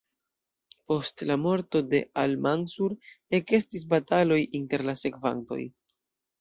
Post la morto de al-Mansur ekestis bataloj inter la sekvantoj.